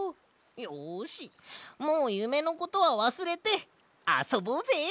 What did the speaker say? よしもうゆめのことはわすれてあそぼうぜ！